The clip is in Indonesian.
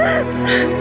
kamu mau ke pos